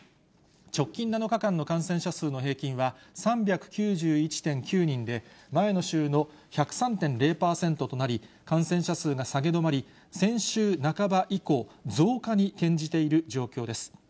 直近７日間の感染者数の平均は、３９１．９人で、前の週の１０３．０％となり、感染者数が下げ止まり、先週半ば以降、増加に転じている状況です。